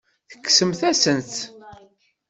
Tekksemt-asent-tt.